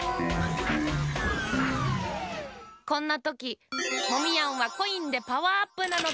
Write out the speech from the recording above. こんなときモミヤンはコインでパワーアップなのだ。